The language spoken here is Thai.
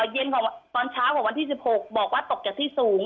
เย็นของตอนเช้าของวันที่๑๖บอกว่าตกจากที่สูง